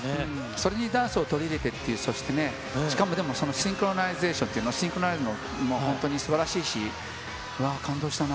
それにダンスを取り入れてっていう、そしてね、しかもだって、そのシンクロナイゼーションというの、シンクロも本当にすばらしいし、うわー、感動したな。